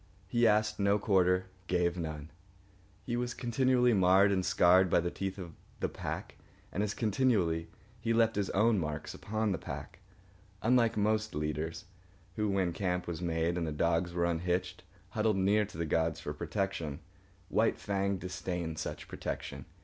He asked no quarter, gave none. He was continually marred and scarred by the teeth of the pack, and as continually he left his own marks upon the pack. Unlike most leaders, who, when camp was made and the dogs were unhitched, huddled near to the gods for protection, White Fang disdained such protection.